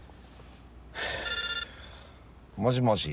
もしもし。